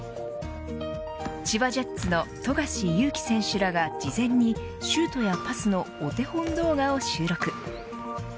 千葉ジェッツの富樫勇樹選手らが事前にシュートやパスのお手本動画を収録。